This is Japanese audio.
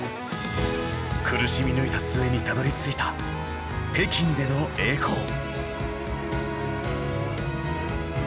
苦しみ抜いた末にたどりついた北京での栄光。